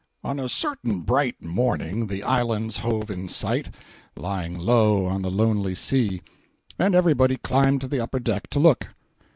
On a certain bright morning the Islands hove in sight, lying low on the lonely sea, and everybody climbed to the upper deck to look.